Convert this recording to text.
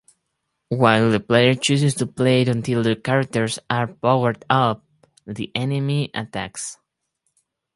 While the player chooses to wait until the characters are powered-up, the enemy attacks.